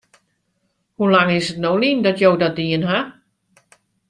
Hoe lang is it no lyn dat je dat dien ha?